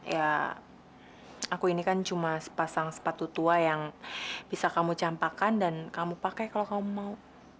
ya aku ini kan cuma sepasang sepatu tua yang bisa kamu campakkan dan kamu pakai kalau kamu mau